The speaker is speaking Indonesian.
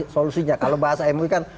solusinya kalau bahasa mui kan